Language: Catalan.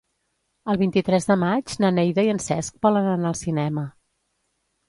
El vint-i-tres de maig na Neida i en Cesc volen anar al cinema.